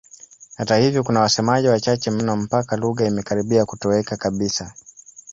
Hata hivyo kuna wasemaji wachache mno mpaka lugha imekaribia kutoweka kabisa.